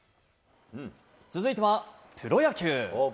続いてはプロ野球。